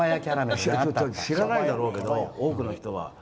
知らないだろうけど、多くの人は。